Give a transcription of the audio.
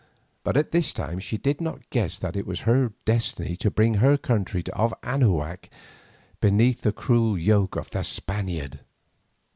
But at this time she did not guess that it was her destiny to bring her country of Anahuac beneath the cruel yoke of the Spaniard.